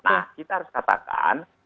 nah kita harus katakan